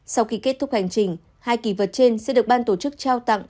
sau khi kết thúc hành trình hai kỳ vật trên sẽ được ban tổ chức trao tặng